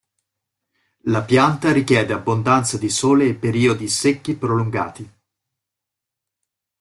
La pianta richiede richiede abbondanza di sole e periodi secchi prolungati.